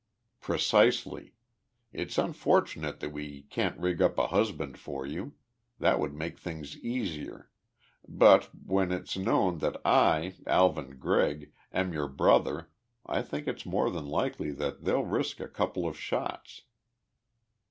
"Precisely. It's unfortunate that we can't rig up a husband for you that would make things easier, but when it's known that I, Alvin Gregg, am your brother, I think it's more than likely that they'll risk a couple of shots."